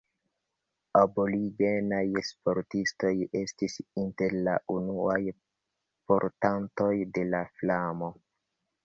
Aborigenaj sportistoj estis inter la unuaj portantoj de la flamo.